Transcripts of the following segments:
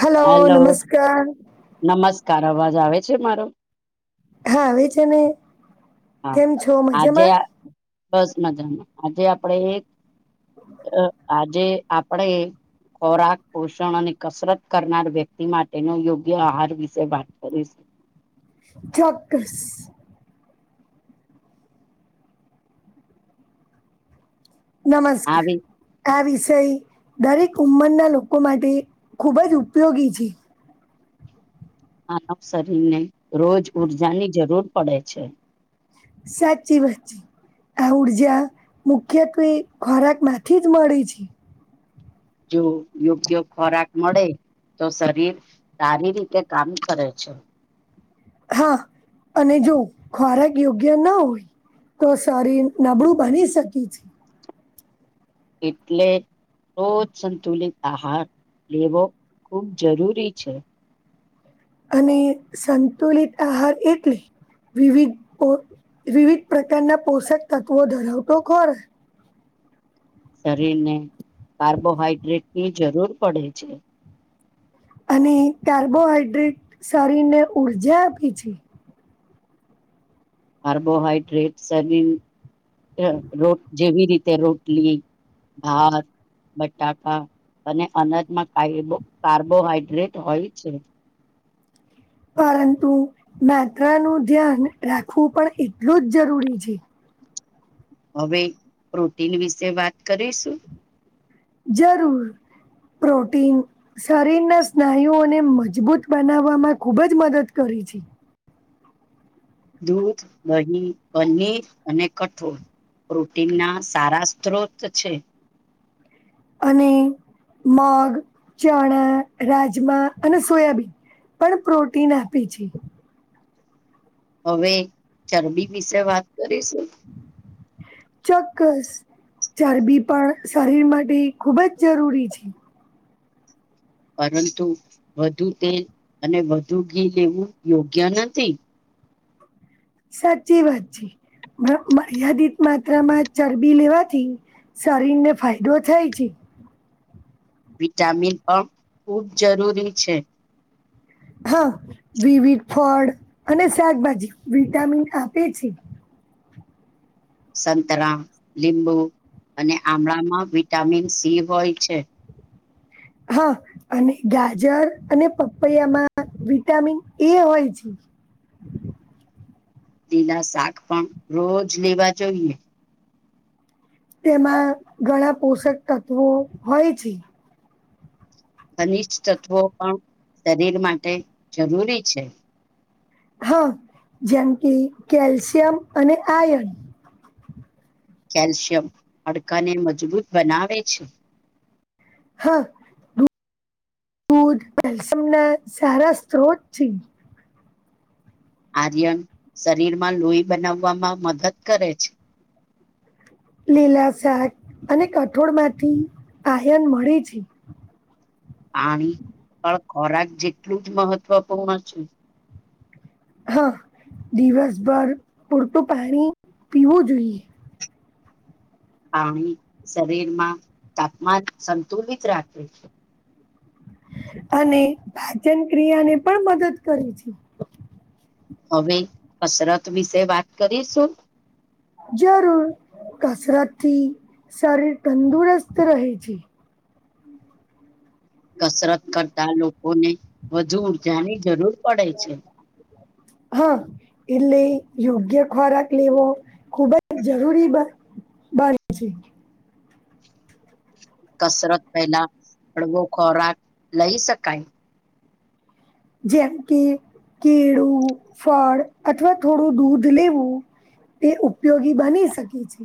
હલોલો hello નમસ્કાર નમસ્કાર અવાજ આવે છે મારો હા આવેવે છે ને હા કેમ છો આજે મજામાં દસ મજામાં આજે આપડે એક અ આજે આપડે ખોરાક પોષણ અને કસરત કરનાર વ્યક્તિ માટેનો યોગ્ય આહાર વિશે વાત કરીશું ચોક્કસ નમસ્કાર આવી આ વિષય દરેક ઉંમરના લોકો માટે ખૂબ જ ઉપયોગી છે આનવ શરીર ને રોજ ઉર્જા ની જરૂર પડે છે સાચી વાચી આ ઉઊર્જા મુખ્યત્વે ખોરાક માંથી જ મળે છે જો યોગ્ય ખોરાક મળે તો શરીર સારી રીતે કામ કરે છે હા અને જો ખોરાક યોગ્ય ના હોય તો સોરી નબળું બની શકી છે એટલે રોજ સંતુલિત આહાર લેવો ખૂબ જરૂરી છે અને સંતુલિત આહાર એટલે વિવિધ વિવિધ પ્રકારના પોષક તત્વો ધરાવતો ખોરા શરીર ને કાર્બોહાઈડ્રેટ ની જરૂર પડે છે અને કાર્બોહાઈડ્રેટ શરીરને ઉઊર્જા આપે છે કાર્બોહાઈડ્રેટ શરીર રોટ જેવી રીતે રોટલી હા બટાકા અને અનજમાં કબ કાર્બોહાઈડ્રેટ હોય છે પરંતુ માત્ર નું ધ્યાન રાખવું પણ એટલું જ જરૂરી છે હવે પ્રોટીન વિશે વાત કરીશું જરૂર પ્રોટીન શરીરના સ્નાયુઓને મજબૂત બનાવવામાં ખૂબ જ મદદ કરી છે દૂધ દહીં પનીર અને કઠોળ પ્રોટીન ના સારા સ્ત્રોત છે અને મગ ચણા રાજમા અને સોયાબીન પણ પ્રોટીન આપે છે હવે ચરબી વિશે વાત કરીશું ચોક્કસ ચરબી પણ શરીર માટે ખૂબ જ જરૂરી છે પરંતુ વધુ તેલ અને વધુ ઘી લેવું યોગ્ય નથી સાચી વાત છેી મર્યાદિત માત્રામાં ચરબી લેવાથી શરીર ને ફાયદો થાય છે વિટામિન પણ ખુબ જરૂરી છે હા વિવટ ફળ અને શાકભાજી વિટામિન આપે છે સંતરા લીંબુ અને આમળામાં વિટામિન સી હોય છે હા અને ગાજર અને પપૈયામાં વિટામિન એ હોય છે લીલા શાક પણ રોજ લેવા જોઈએ તેમાં ઘણા પોષક તત્વો હોય છે ખનિષ્ તત્વો પણ શરીર માટે જરૂરી છે હા જેમ કે કેલ્શિયમ અને આયન કેલ્શિયમ હાડકાને મજબૂત બનાવે છે હા દૂધ પલ્સમ ના સારા સ્ત્રોત આર્યન લીલા શાક અને કઠોળમાંથી આયન મળે છે પાણી પણ ખોરાક હા દિવસભર પૂરતું પાણી પીવું જોઈએ પાણી શરીરમાં અને પાચન ક્રિયા ને પણ મદદ કરે છે. હવે કસરત વિશે વાત કરીશું. જરૂર કસરતથી શરીર તંદુરસ્ત રહે છે. કસરત કરતા લોકોને વધુ ઉર્જા ની જરૂર પડે છે. હા. એટલે યોગ્ય ખોરાક લેવો ખુબજ જરૂરી બરા છે. કસરત પેલા હડવો ખોરાક લઈ શકાય. જેમ કે કેળું ફળ અથવા થોડું દુધ લેવું તે ઉપયોગી બની શકે છે.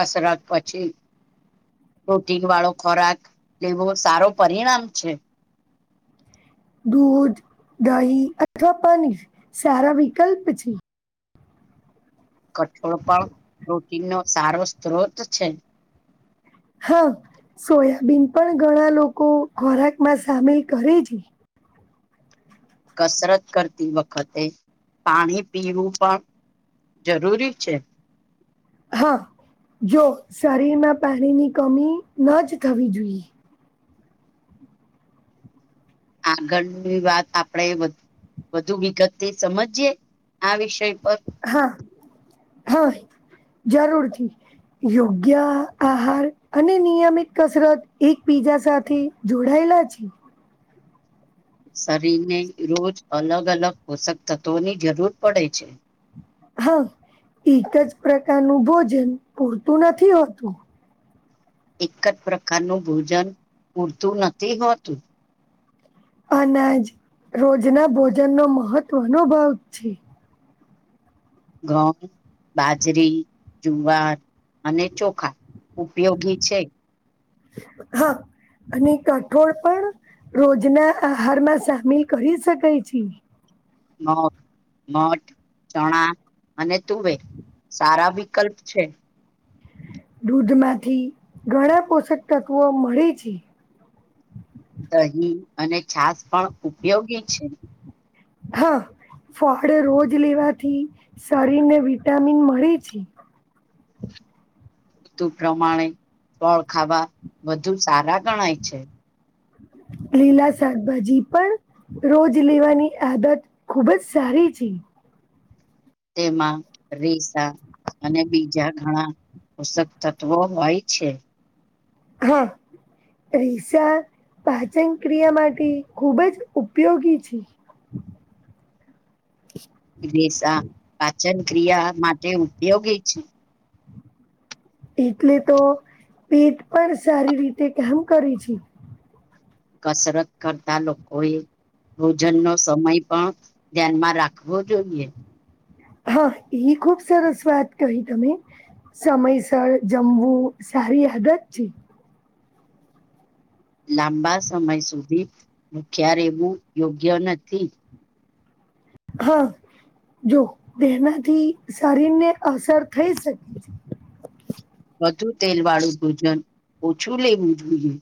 કસરત પછી પ્રોટીન વાળો ખોરાક લેવો સારો પરિણામ છે. દૂધ દહી અથવા પાની સારા વિકલ્પ છે. કઠોળ પણ પ્રોટીન નો સારો સ્ત્રોત છે. હા સોયાબીન પણ ઘણા લોકો ખોરાક માં સામેલ કરે છે. કસરત કરતી વખતે પાણી પીવું પણ જરૂરી છે. હા જો શરીરમાં પાણીની કમી ન જ થવી જોઈએ. આગળની વાત આપણેે એ બધું વધુ વિગતથી સમજીએ આ વિષય પર હા હા જરૂરથી. યોગ્ય આહાર અને નિયમિત કસરત એક બીજા સાથે જોડાયેલા છે. શરીર ને રોજ અલગ અલગ પોષક તત્વો ની જરૂર પડે છે. હા એક જ પ્રકારનું ભોજન પૂરતું નથી હોતું. એક જ પ્રકારનું ભોજન પૂરતું નથી હોતું. અનાજ રોજના ભોજનનો મહત્વનો ભાગ છે. [unintelligible] બાજરી જુવાર અને ચોખા ઉપયોગી છે. હા. અને કઠોળ પણ રોજના આહારમાં સામેલ કરી શકાય છે. મગ, મઠ, ચણા અને તુવેર. સારા વિકલ્પ છે. દૂધમાંથી ઘણા પોષક તત્વો મળે છે. દહી અને છાસ પણ ઉપયોગી છે. હા ફળ રોજ લેવાથી શરીર ને વિટામિન મળે છે. ઋતુ પ્રમાણે ફળ ખાવા વધુ સારા ગણાય છે. લીલા શાકભાજી પણ રોજ લેવાની આદત ખુબ જ સારી છે. તેમાં રિસા અને બીજા ઘણા પોષક તત્વો હોય છે. હા. રીસા પાચન ક્રિયા માટે ખૂબ જ ઉપયોગી છે. [inaudible] રીસા દેશા પાચન ક્રિયા માટે ઉપયોગી છે. એટલે તો પેટ પર સારી રીતે કામ કરે છે. કસરત કરતા લોકો એ ભોજન નો સમય પણ ધ્યાનમાં રાખવો જોઈએ. હા એ ખુબ સરસ વાત કહી તમે સમયસર જમવું સારી આદત છે. લાંબા સમય સુધી ભૂખ્યા રહેવું યોગ્ય નથી. હા જો તેનાથી શરીર ને અસર થઈ શકે છે. વધુ તેલ વાળું ભોજન ઓછું લેવું જોઈએ.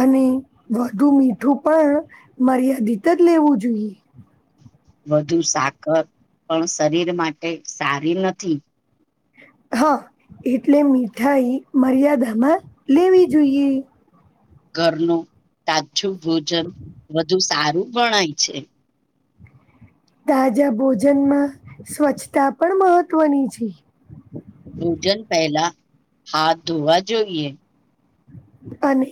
અને વધુ મીઠું પણ મર્યાદિત જ લેવું જોઈએ. વધુ સાકર પણ શરીર માટે સારી નથી. હા એટલે મીઠાઈ મર્યાદામાં લેવી જોઈએ. ઘરનું તાજું ભોજન વધુ સારું ગણાય છે. તાજા ભોજનમાં સ્વચ્છતા પણ મહત્ત્વની છે. ભોજન પહેલા હાથ ધોવા જોઈએ. અને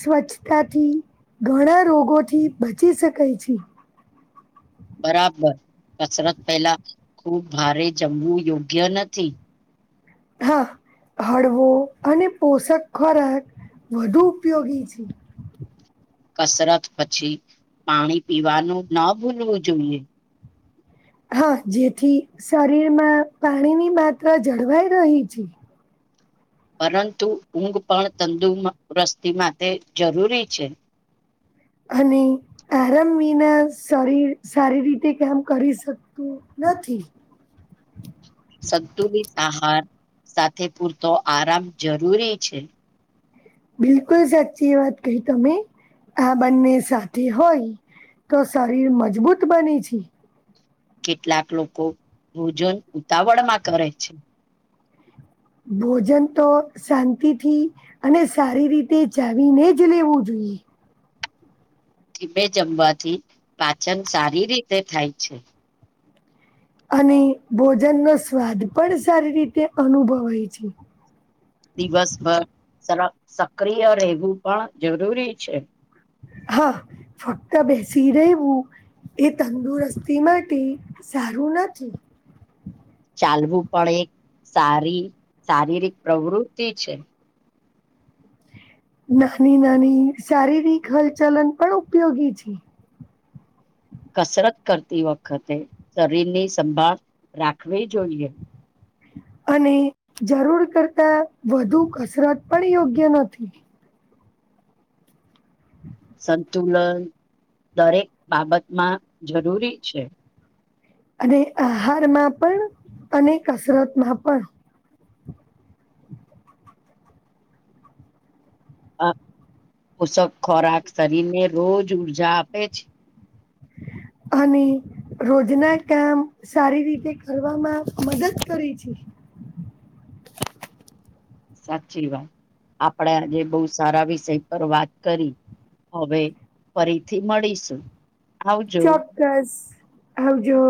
સ્વચ્છતાથી ઘણા રોગોથી બચી શકાય છે. બરાબર કસરત પેલા ખુબ ભારે જમવું યોગ્ય નથી. હા હળવો અને પોષક ખોરાક વધુ ઉપયોગી છે. કસરત પછી પાણી પીવાનું ન ભૂલવું જોઈએ. હા જેથી શરીરમાં પાણીની માત્રા જળવાઈ રહી છે. પરંતુ ઊંઘ પણ તંદુ રસ્તી માટે જરૂરી છે. અને આરામ વિના શરીર સારી રીતે કામ કરી શકતું નથી. સંતુલિત આહાર સાથે પૂરતો આરામ જરૂરી છે. બિલકુલ સાચી વાત કઈ તમે આ બંને સાથે હોય તો શરીર મજબૂત બની છે. કેટલાક લોકો ભોજન ઉતાવળ માં કરે છે. ભોજન તો શાંતિથી અને સારી રીતે ચાવીને જ લેવું જોઈએ. ધીમે જમવાથી પાચન સારી રીતે થાય છે. અને ભોજન નો સ્વાદ પણ સારી રીતે અનુભવાય છે. દિવસભર સર સક્રિય રહેવું પણ જરૂરી છે. હા ફક્ત બેસી રેવું એ તંદુરસ્તી માટે સારું નથી. ચાલવું પણ એક સારી શારીરિક પ્રવૃતિ છે. નાની નાની શારીરિક હલચલન પણ ઉપયોગી છે. કસરત કરતી વખતે શરીરની સંભાળ રાખવી જોઈએ. અને જરૂર કરતા વધુ કસરત પણ યોગ્ય નથી. સંતુલન દરેક બાબતમાં જરૂરી છે. અને આહારમાં પણ અને કસરત માં પણ પોષક ખોરાક શરીર ને રોજ ઊર્જા આપે છે. અને રોજ ના કામ સારી રીતે કરવામાં મદદ કરે છે. સાચી વાત આપડે આજે બહુ સારા વિષય પર વાત કરી. હવે ફરીથી મળીશું. આવજો ચોક્કસ આવજો.